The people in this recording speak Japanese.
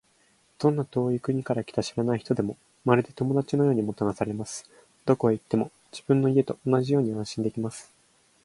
どんな遠い国から来た知らない人でも、まるで友達のようにもてなされます。どこへ行っても、自分の家と同じように安心できます。